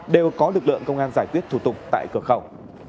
đều có lực lượng công an giải quyết thủ tục tại cửa khẩu